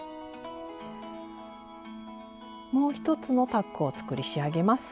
もう一つのタックを作り仕上げます。